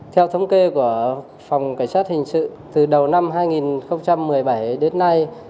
theo thống kê của phòng cảnh sát hình sự từ đầu năm hai nghìn một mươi bảy đến nay